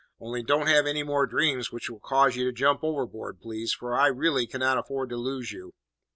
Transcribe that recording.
Only don't have any more dreams which will cause you to jump overboard, please, for I really cannot afford to lose you."